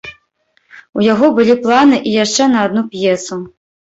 У яго былі планы і яшчэ на адну п'есу.